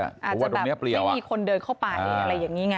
อาจจะแบบไม่มีคนเดินเข้าไปอะไรอย่างนี้ไง